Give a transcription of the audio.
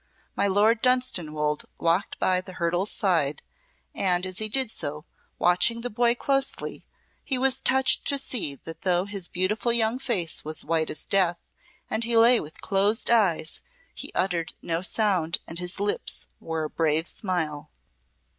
My Lord Dunstanwolde walked by the hurdle side, and as he did so, watching the boy closely, he was touched to see that though his beautiful young face was white as death and he lay with closed eyes, he uttered no sound and his lips wore a brave smile.